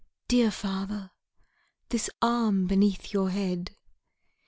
dear father! The arm beneath your head!